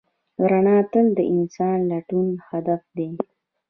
رڼا تل د انسان د لټون هدف دی.